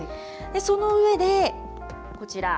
その上で、こちら。